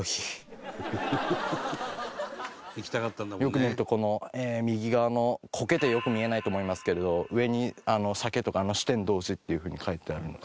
よく見るとこの右側の苔でよく見えないと思いますけれど上に「酒」とか「酒呑童子」っていう風に書いてあるので。